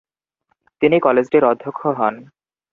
তিনি কলেজটির অধ্যক্ষ হন।